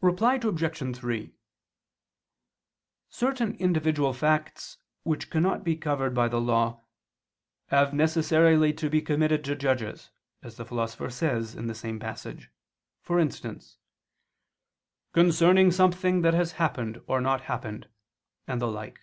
Reply Obj. 3: Certain individual facts which cannot be covered by the law "have necessarily to be committed to judges," as the Philosopher says in the same passage: for instance, "concerning something that has happened or not happened," and the like.